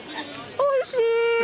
おいしい。